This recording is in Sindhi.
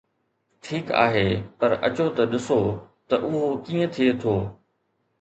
ٺيڪ آهي، پر اچو ته ڏسو ته اهو ڪيئن ٿئي ٿو.